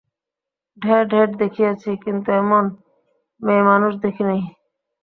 ঢের ঢের দেখিয়াছি, কিন্তু এমন মেয়েমানুষ দেখি নাই।